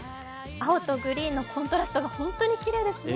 青とグリーンのコントラストが本当にきれいですね。